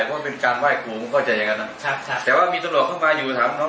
เพราะมันเป็นการไหว้ครูเข้าใจอย่างนั้นครับแต่ว่ามีตำรวจเข้ามาอยู่ถามเขา